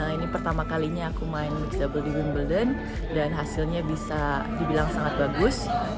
ini pertama kalinya aku main di double di wimbledon dan hasilnya bisa dibilang sangat bagus